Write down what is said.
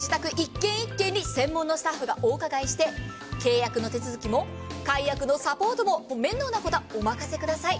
皆様のご自宅１軒１軒に専門スタッフがお伺いして契約の手続きも、解約のサポートも面倒なことはお任せください。